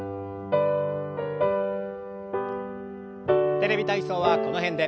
「テレビ体操」はこの辺で。